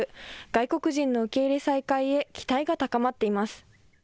外国人の受け入れ再開へ期待が高まっています。